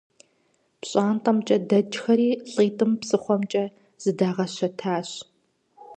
ПщӀантӀэмкӀэ дэкӀхэри лӀитӀым псыхъуэмкӀэ зыдагъэщэтащ.